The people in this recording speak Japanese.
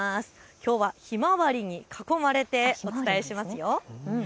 きょうはひまわりに囲まれてお伝えしますよ。